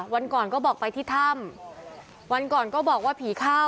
วันก่อนก็บอกไปที่ถ้ำวันก่อนก็บอกว่าผีเข้า